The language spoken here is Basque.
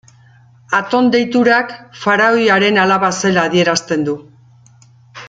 Aton deiturak, faraoiaren alaba zela adierazten du.